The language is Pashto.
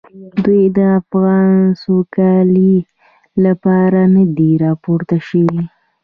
دوی د افغان سوکالۍ لپاره نه دي راپورته شوي.